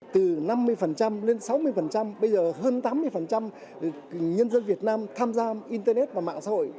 từ năm mươi lên sáu mươi bây giờ hơn tám mươi nhân dân việt nam tham gia internet và mạng xã hội